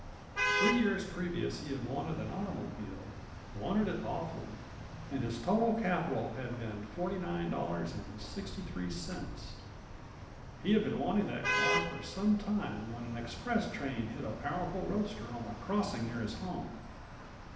Three years previous he had wanted an28 automobile—wanted it awfully. And his total capital had been $49.63. He had been wanting that car for some time when an express train hit a powerful roadster on a crossing near his home.